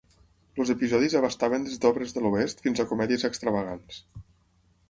Els episodis abastaven des d'obres de l'oest fins a comèdies extravagants.